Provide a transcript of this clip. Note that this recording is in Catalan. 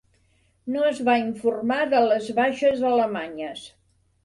No es va informar de les baixes alemanyes.